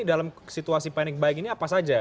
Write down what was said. dalam situasi panik baik ini apa saja